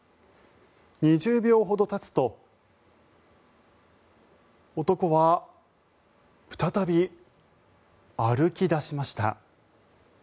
２０秒ほどたつと男は再び歩き出しました。